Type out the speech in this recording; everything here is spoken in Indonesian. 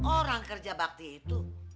orang kerja bakti itu